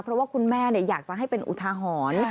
เพราะว่าคุณแม่อยากจะให้เป็นอุทาหรณ์